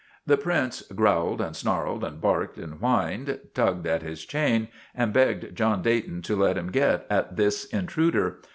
The Prince growled and snarled and barked and whined, tugged at his chain, and begged John Dayton to let him get at this intruder.